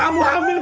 kamu hamil beb